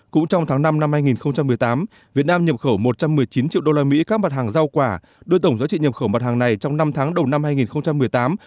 cũng trong tháng năm năm hai nghìn một mươi tám việt nam nhập khẩu một trăm một mươi chín triệu usd các mặt hàng giao quả đưa tổng giá trị nhập khẩu mặt hàng này trong năm tháng đầu năm hai nghìn một mươi tám